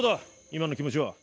今の気持ちは。